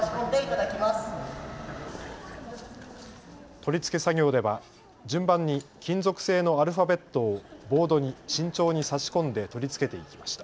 取り付け作業では順番に金属製のアルファベットをボードに慎重に差し込んで取り付けていきました。